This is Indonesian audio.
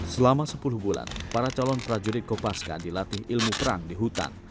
selama sepuluh bulan para calon prajurit kopaska dilatih ilmu perang di hutan